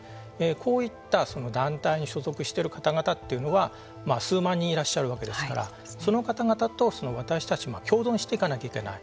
こういった団体に所属している方々というのは数万人いらっしゃるわけですからその方々と私たちは共存していかなきゃいけない。